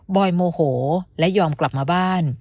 อยโมโหและยอมกลับมาบ้าน